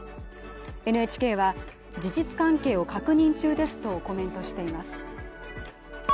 ＮＨＫは、事実関係を確認中ですとコメントしています。